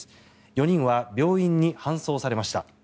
４人は病院に搬送されました。